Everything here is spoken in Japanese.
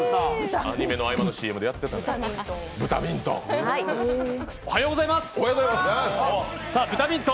アニメの合間のＣＭでやってた、「ブタミントン」。